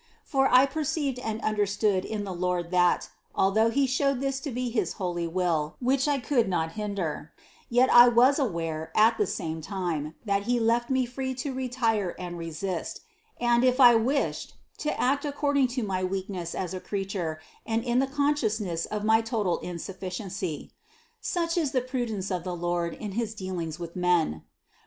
For I perceived and understood in the Lord that, although He showed this to be his holy will, which I could not hinder, yet I was aware at the same time that he left me free to retire and resist, and, if I wished, to act according to my weakness as a creature and in the consciousness of my total insufficiency ; such is the prudence of the Lord in his dealings with men.